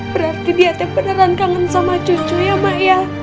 berarti dia beneran kangen sama cucu ya mak